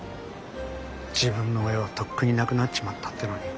自分の親はとっくにいなくなっちまったっていうのに。